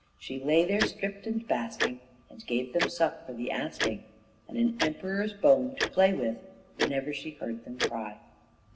She lay there stripped and basking, And gave them suck for the asking, And an emperor's bone to play with, Whenever she heard them cry.